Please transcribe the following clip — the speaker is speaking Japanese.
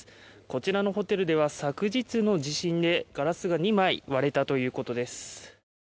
こちらのホテルでは昨日の地震でガラスが２枚割れたということです